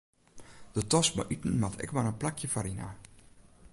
De tas mei iten moat ek mar in plakje foaryn ha.